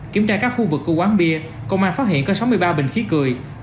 kiểm tra các khu vực của quán bia công an phát hiện có sáu mươi ba bình khí cười